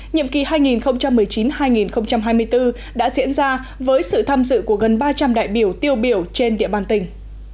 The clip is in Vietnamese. nhiệm kỳ hai nghìn một mươi chín hai nghìn hai mươi bốn đã diễn ra với sự tham dự của gần ba trăm linh đại biểu tiêu biểu trên địa bàn tỉnh